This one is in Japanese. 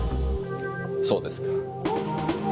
そうですか。